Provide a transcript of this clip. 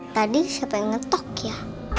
tadi siapa yang ngetok ya